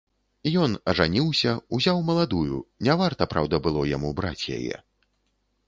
Ён ажаніўся, узяў маладую, не варта, праўда, было яму браць яе.